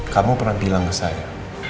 kamu pernah bilang ke saya